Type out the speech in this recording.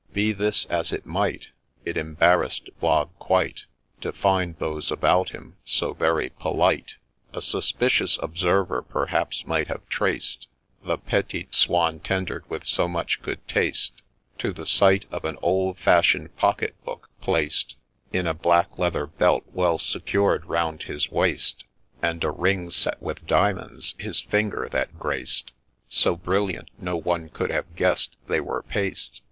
— Be this as it might, It embarrass'd Blogg quite To find those about him so very polite. A suspicious observer perhaps might have traced The petites soins, tendered with so much good taste, To the sight of an old fashion'd pocket book, placed In a black leather belt well secured round his waist, 200 MR. PETERS'S STORY And a ring set with diamonds, his finger that graced, So brilliant no one could have guess'd they were paste.